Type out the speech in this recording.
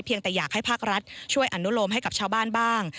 ยังแต่อยากให้ภาครัฐช่วยอนุโลมให้กับชาวบ้านบ้าง